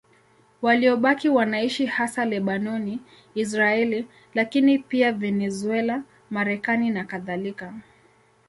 Waliobaki wanaishi hasa Lebanoni, Israeli, lakini pia Venezuela, Marekani nakadhalika.